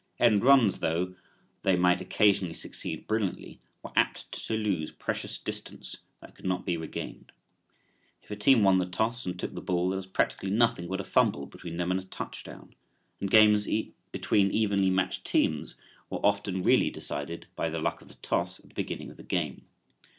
End runs, though they might occasionally succeed brilliantly, were apt to lose precious distance that could not be regained. If a team won the toss and took the ball there was practically nothing but a fumble between them and a touchdown, and games between evenly matched teams were often really decided by the luck of the toss at the beginning of the game.